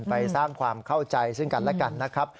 ไปสร้างความเข้าใจซึ่งกันและกันนะครับ